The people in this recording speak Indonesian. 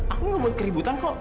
aku gak buat keributan kok